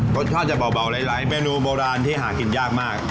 รสชาติจะเบาหลายเมนูโบราณที่หากินยากมาก